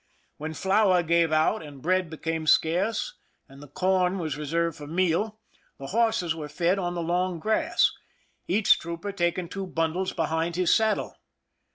When flour gave out, and bread became scarce, and the corn was reserved for meal, the horses were fed on the long grass, each trooper taking two bundles behind his saddle.